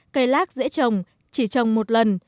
cây lác dễ trồng chỉ trồng một lần